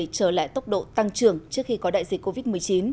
trở lại tốc độ tăng trưởng trước khi có đại dịch covid một mươi chín